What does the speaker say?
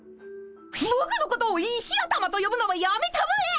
ぼくのことを石頭とよぶのはやめたまえ！